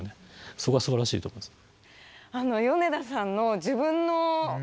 そこはすばらしいと思います。